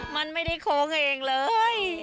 มันไม่ได้โค้งเองเลย